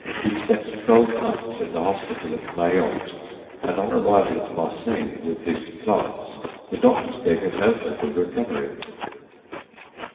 He spent twelve months in the hospital at Mayotte, and on arrival at Marseilles with his plants the doctors gave him no hope of recovery.